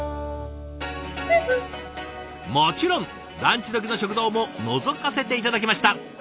もちろんランチどきの食堂ものぞかせて頂きました。